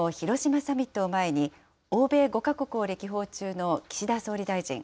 ５月の広島サミットを前に、欧米５か国を歴訪中の岸田総理大臣。